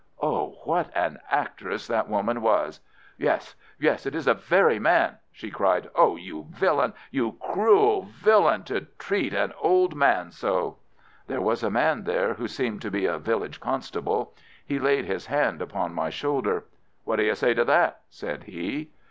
Oh, what an actress that woman was! "Yes, yes, it is the very man," she cried. "Oh, you villain, you cruel villain, to treat an old man so!" There was a man there who seemed to be a village constable. He laid his hand upon my shoulder. "What do you say to that?" said he.